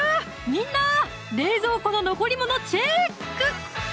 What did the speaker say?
みんな冷蔵庫の残り物チェーック！